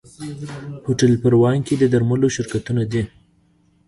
هوټل پروان کې د درملو شرکتونه دي.